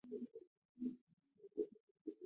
周元王封勾践为伯。